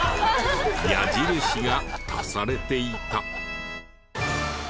矢印が足されていた。